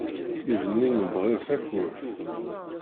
Ibennu mebɣir takurt.